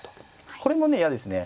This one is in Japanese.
これもね嫌ですね。